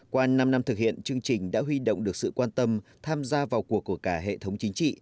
qua năm năm thực hiện chương trình đã huy động được sự quan tâm tham gia vào cuộc của cả hệ thống chính trị